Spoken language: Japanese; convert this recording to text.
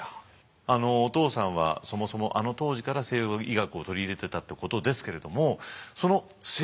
あのお父さんはそもそもあの当時から西洋医学を取り入れてたってことですけれど